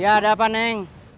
ya ada apa neng